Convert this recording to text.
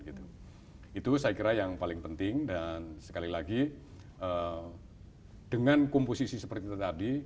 itu saya kira yang paling penting dan sekali lagi dengan komposisi seperti tadi